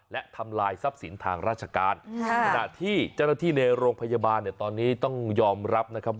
และทำลายทรัพย์ศิลป์ทางราชการ